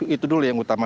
itu dulu yang utama